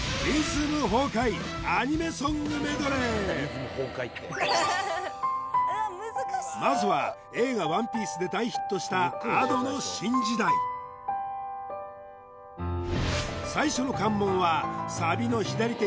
ＳＰまずは映画「ＯＮＥＰＩＥＣＥ」で大ヒットしたＡｄｏの「新時代」最初の関門はサビの左手